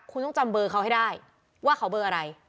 คุณต้องจำเบอร์เขาให้ได้ว่าเขาเบอร์อะไร